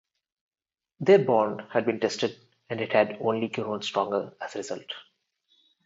Their bond had been tested, and it had only grown stronger as a result.